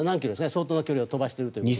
相当な距離を飛ばしていると。